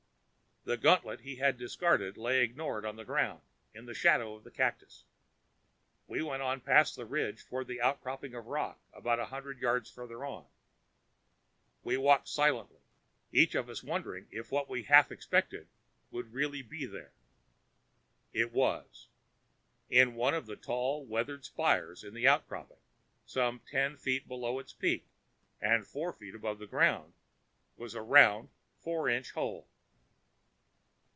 The gauntlet he had discarded lay ignored on the ground, in the shadow of the cactus. We went on past the ridge toward an outcropping of rock about a hundred yards farther on. We walked silently, each of us wondering if what we half expected would really be there. It was. In one of the tall, weathered spires in the outcropping, some ten feet below its peak and four feet above the ground, was a round four inch hole.